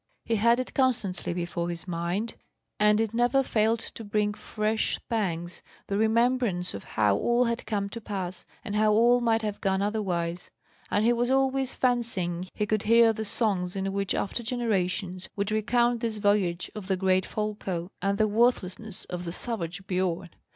He had it constantly before his mind, and it never failed to bring fresh pangs, the remembrance of how all had come to pass, and how all might have gone otherwise; and he was always fancying he could hear the songs in which after generations would recount this voyage of the great Folko, and the worthlessness of the savage Biorn.